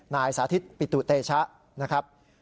นายสาธิตปิตุเตชะนะครับ